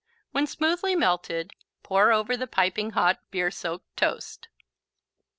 When smoothly melted, pour over the piping hot, beer soaked toast.